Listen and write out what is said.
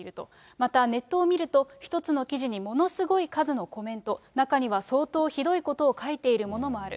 また、ネットを見ると、一つの記事にものすごい数のコメント、中には相当ひどいことを書いているものもある。